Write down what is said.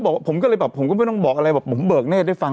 บอกผมก็เลยบอกผมก็ไม่ต้องบอกอะไรบอกผมเบิกแน่ด้วยฟัง